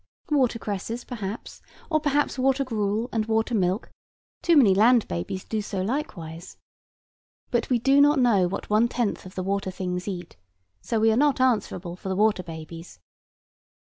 Water cresses, perhaps; or perhaps water gruel, and water milk; too many land babies do so likewise. But we do not know what one tenth of the water things eat; so we are not answerable for the water babies.